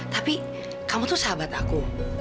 tapi kamu tuh sahabat aku